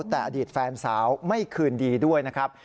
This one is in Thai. แต่อดีตแฟนสาวไม่คืนดีด้วยนะครับ